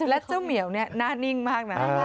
แล้วเจ้าเหมียวเนี่ยหน้านิ่งมากนะ